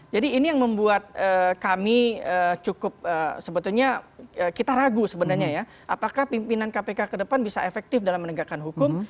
jadi ini yang membuat kami cukup sebetulnya kita ragu sebenarnya ya apakah pimpinan kpk ke depan bisa efektif dalam menegakkan hukum